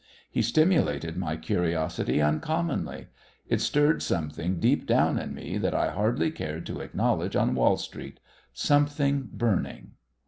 He stimulated my curiosity uncommonly. It stirred something deep down in me that I hardly cared to acknowledge on Wall Street something burning.